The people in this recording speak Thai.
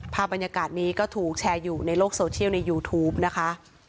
ภาพบรรยากาศนี้ก็ถูกแชร์อยู่ในโลกโซเชียลในยูทูปนะคะ